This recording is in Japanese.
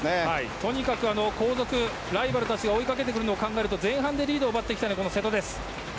とにかく、後続のライバルたちが追いかけてくることを考えると前半でリードを奪っていきたい瀬戸です。